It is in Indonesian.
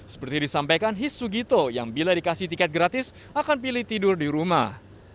seperti disampaikan his sugito yang bila dikasih tiket gratis akan pilih tidur di rumah